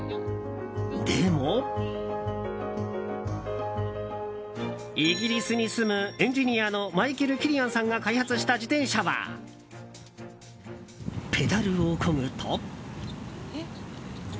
でもイギリスに住むエンジニアのマイケル・キリアンさんが開発した自転車はペダルをこぐと。